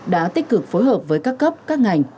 đã tích cực phối hợp với các cấp các ngành